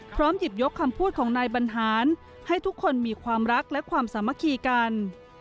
หยิบยกคำพูดของนายบรรหารให้ทุกคนมีความรักและความสามัคคีกัน